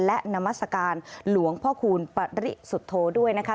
และนามัศกาลหลวงพ่อคูณปริสุทธโธด้วยนะคะ